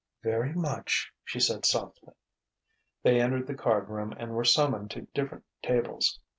"Very much," she said softly. They entered the card room and were summoned to different tables.